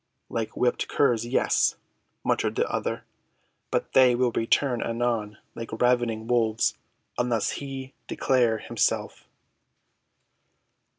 "Like whipped curs—yes," muttered the other. "But they will return anon like ravening wolves, unless he declare himself.